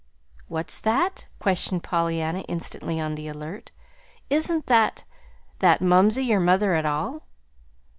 "What's that?" questioned Pollyanna, instantly on the alert. "Isn't that that 'mumsey' your mother at all?"